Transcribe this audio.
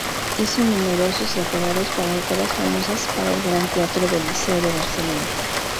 Hizo numerosos decorados para óperas famosas para el Gran Teatro del Liceo de Barcelona.